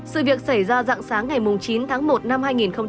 sự việc xảy ra dạng sáng ngày chín tháng một năm hai nghìn hai mươi